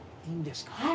いいんですか？